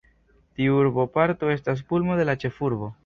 Tiu urboparto estas pulmo de la ĉefurbo.